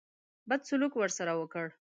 بد سلوک ورسره وکړ.